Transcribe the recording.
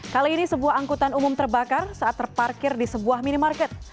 kali ini sebuah angkutan umum terbakar saat terparkir di sebuah minimarket